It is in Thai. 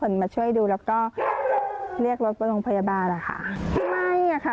เพราะว่าน้องเขาเพิ่งมาได้ไม่ถึงเดือนเองอะค่ะ